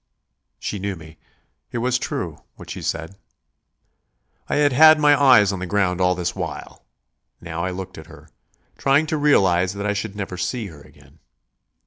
She knew me. It was true, what she said. I had had my eyes on the ground all this while; now I looked at her, trying to realise that I should never see her again.